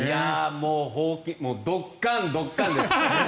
もうドッカン、ドッカンです。